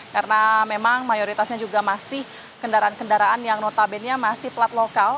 karena memang mayoritasnya juga masih kendaraan kendaraan yang notabene masih plat lokal